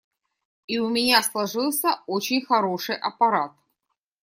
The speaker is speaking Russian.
И у меня сложился очень хороший аппарат.